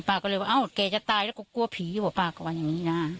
ก็เลยว่าเอ้าแกจะตายแล้วก็กลัวผีอยู่ว่ะป้าก็ว่าอย่างนี้นะ